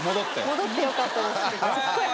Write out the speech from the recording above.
戻ってよかったですけど。